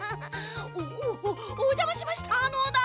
おおおじゃましましたのだ！